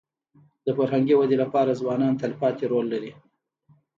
د فرهنګي ودي لپاره ځوانان تلپاتې رول لري.